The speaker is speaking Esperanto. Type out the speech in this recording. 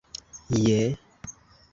je